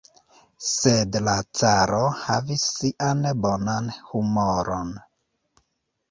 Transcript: Sed la caro havis sian bonan humoron.